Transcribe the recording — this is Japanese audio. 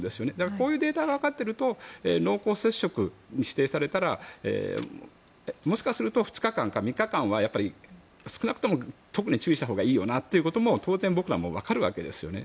こういうデータがわかっていると濃厚接触者に指定されたらもしかすると２日間は３日間は少なくとも特に注意したほうがいいよなということが当然僕らはわかるわけですよね。